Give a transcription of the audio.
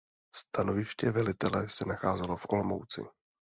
Stanoviště velitele se nacházelo v Olomouci.